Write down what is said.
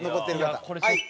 はい。